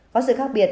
có sự khác biệt